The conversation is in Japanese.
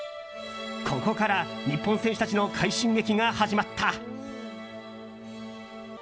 ここから日本選手たちの快進撃が始まった。